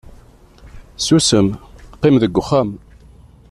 susem, qqim deg uxxam